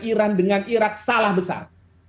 iran dengan irak salah besar